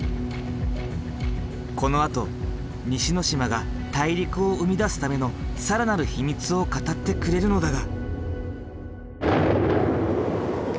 このあと西之島が大陸を生み出すための更なる秘密を語ってくれるのだが。